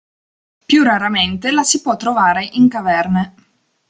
Più raramente la si può trovare in caverne.